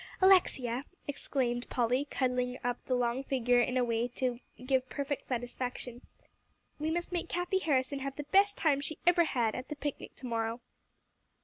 "Alexia," exclaimed Polly, cuddling up the long figure in a way to give perfect satisfaction, "we must make Cathie Harrison have the best time that she ever had, at the picnic to morrow."